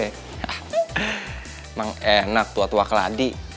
emang enak tua tua keladi